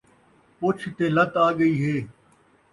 پچھ تے لت آڳئی ہے